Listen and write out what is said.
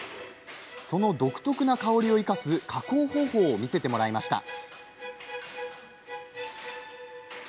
その独特な香りを生かす加工方法を見せてもらいました。